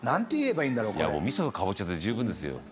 「いやもうみそとカボチャで十分ですよ」